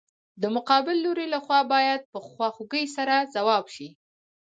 د مقابل لوري له خوا باید په خواخوږۍ سره ځواب شي.